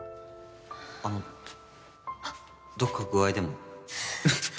あのどっか具合でも？